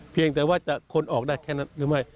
เพียงแต่ว่าจะค้นออกได้แค่นั้นหรือไม่